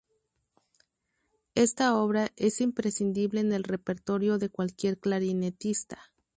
Esta obra es imprescindible en el repertorio de cualquier clarinetista.